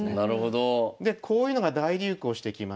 でこういうのが大流行してきまして。